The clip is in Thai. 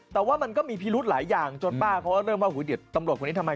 แต่มันมีพิรุธหลายอย่างจนป้าเริ่มว่าเฮ้ยเดี๋ยวตำรวจทำไม